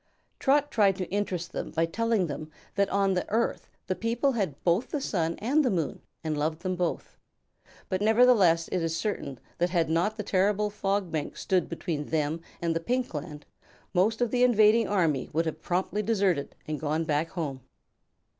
Trot tried to interest them by telling them that on the Earth the people had both the sun and the moon, and loved them both; but nevertheless it is certain that had not the terrible Fog Bank stood between them and the Pink Land most of the invading army would have promptly deserted and gone back home.